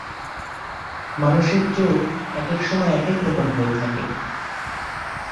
মানুষের চোখ একেক সময় একেক রকম থাকে।